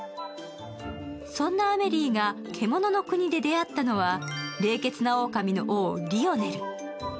そんなアメリーが獣の国で出会ったのは、冷血な狼の王リオネル。